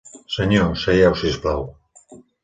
Senyor, seieu, si us plau.